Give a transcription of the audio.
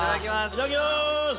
いただきます。